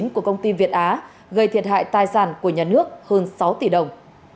của công ty việt á gây thiệt hại tài sản của nhà nước hơn sáu tỷ đồng